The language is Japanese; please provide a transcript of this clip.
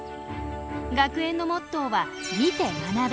学園のモットーは「見て学べ」。